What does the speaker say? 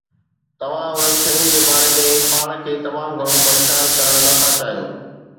توهان انهن شين جي باري ۾ پاڻ کي تمام گهڻو پريشان ڪرڻ نٿا چاهيون